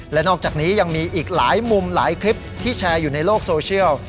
และนอกจากนี้ยังมีอีกหลายมุมหลายคลิปที่แชร์อยู่ในโลกโซเชียล